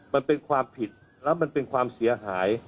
มันเป็นความผิดแล้วมันเป็นความเสียหาย